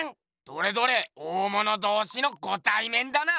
どれどれ大物同士のごたいめんだな。